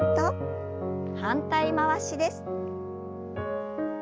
反対回しです。